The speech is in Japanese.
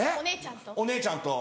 お姉ちゃんと？